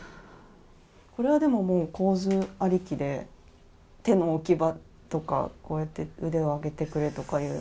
これは構図ありきで手の置き場とかこうやって腕を上げてくれとか？